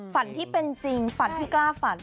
ฝันที่เป็นจริงฝันที่กล้าฝัน